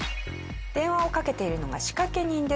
電話をかけているのが仕掛け人です。